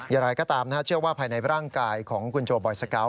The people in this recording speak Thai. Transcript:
อย่างไรก็ตามเชื่อว่าภายในร่างกายของคุณโจบอยสเกาะ